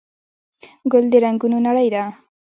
ګل د رنګونو نړۍ ده.